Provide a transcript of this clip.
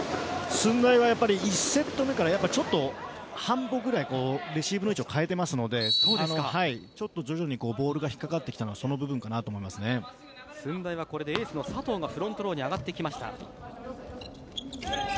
駿台は１セット目からちょっと半歩くらいレシーブの位置を変えているのでちょっと中にボールが引っかかってきたのは駿台はエースの佐藤がフロントローに上がってきました。